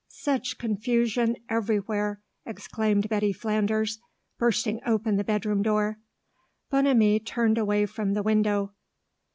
"Such confusion everywhere!" exclaimed Betty Flanders, bursting open the bedroom door. Bonamy turned away from the window.